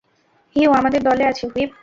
Hugh আমাদের দলে আছে, হুইপ।